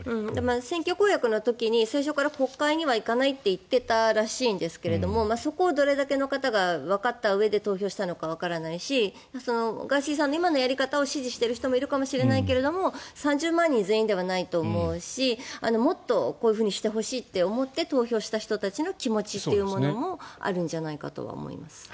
選挙公約の時に最初から国会には行かないと言っていたらしいんですがそこをどれだけの方がわかったうえで投票したのかわからないしガーシーさんの今のやり方を支持している人もいるかもしれないけど３０万人全員ではないと思うしもっとこういうふうにしてほしいと投票した人たちの気持ちもあるんじゃないかと思います。